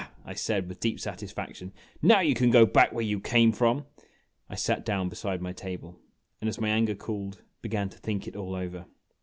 I said, with deep satisfaction. "Now you can go back where you came from !" I sat down beside my table, and, as my anger cooled, began to think it all over.